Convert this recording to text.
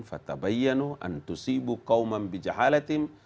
fattabayanu antusibu qawman bijahalatim